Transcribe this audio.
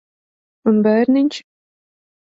Un bērniņš?